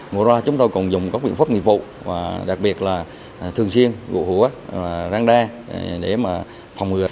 mùa ra chúng tôi cũng dùng các biện pháp nghiệp vụ và đặc biệt là thường xuyên gụ hũa răng đe để mà phòng ngừa